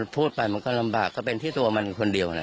ไปแล้วก็ลำบากเป็นที่ตัวมันคนเดียว